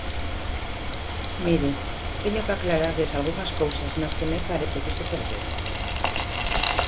Mire, teño que aclararlles algunhas cousas nas que me parece que se perderon.